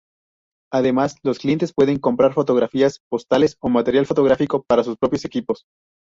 Además, los clientes pueden comprar fotografías, postales o material fotográfico para sus propios equipos.